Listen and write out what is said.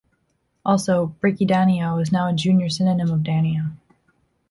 Also, "Brachydanio" is now a junior synonym of "Danio".